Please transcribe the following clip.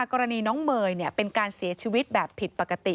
กรณีน้องเมย์เป็นการเสียชีวิตแบบผิดปกติ